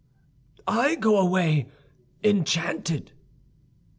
"I go away enchanted."